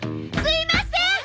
すいません！